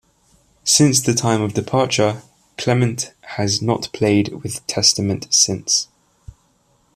Since the time of departure, Clemente has not played with Testament since.